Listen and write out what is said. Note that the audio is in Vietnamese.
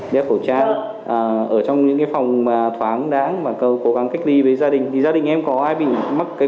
bé khẩu trang ở trong những phòng thoáng đáng và cố gắng cách ly với gia đình thì gia đình em có ai bị mắc covid này giống mình không